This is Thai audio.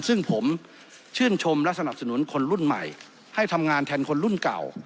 ซึ่งผมชื่นชมและสนับสนุนคนรุ่นใหม่ให้ทำงานแทนคนรุ่นเก่า